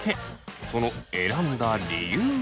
その選んだ理由は。